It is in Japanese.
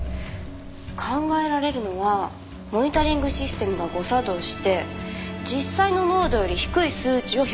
考えられるのはモニタリングシステムが誤作動して実際の濃度より低い数値を表示した。